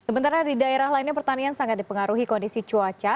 sementara di daerah lainnya pertanian sangat dipengaruhi kondisi cuaca